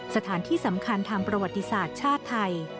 สถานที่สำคัญทางประวัติศาสตร์ชาติไทย